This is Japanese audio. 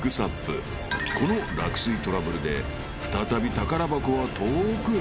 ［この落水トラブルで再び宝箱は遠くへ］